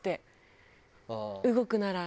動くなら。